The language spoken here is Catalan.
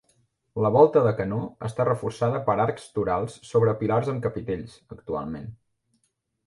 La volta de canó està reforçada per arcs torals sobre pilars amb capitells actualment.